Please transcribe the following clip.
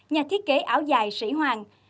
nhà thiết kế áo dài sĩ hoàng